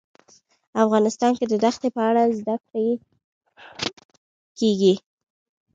افغانستان کې د دښتې په اړه زده کړه کېږي.